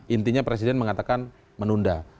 intinya presiden mengatakan menunda